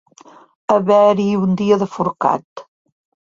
Haver-hi un dia de forcat.